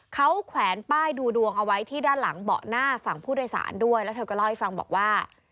เขาแขวนป้ายดูดวงเอาไว้ที่ด้านหลังเบาะหน้าฝั่งผู้โดยสารด้วยแล้วเธอก็เล่าให้ฟังบอกว่า